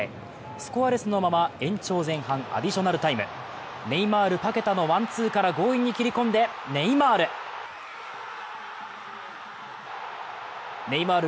スコアレスのまま延長前半アディショナルタイムネイマール、パケタとのワンツーから強引に切り込んでネイマール！